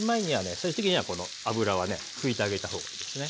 最終的にはこの油はね拭いてあげた方がいいですね。